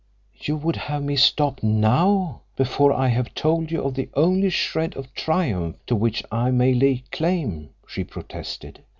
"You would have me stop now—before I have told you of the only shred of triumph to which I may lay claim!" she protested.